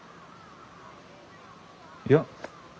いや。